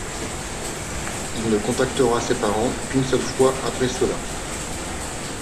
Il ne contactera ses parents qu'une seule fois après cela.